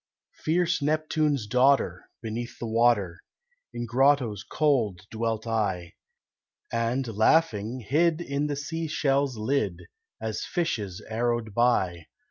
Fierce Neptune's daughter, beneath the water, In grottoes cool dwelt I, And, laughing, hid in the seashell's lid, As fishes arrowed by.